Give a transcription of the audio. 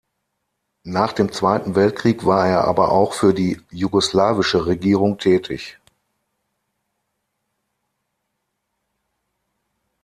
Nach dem Zweiten Weltkrieg war er aber auch für die jugoslawische Regierung tätig.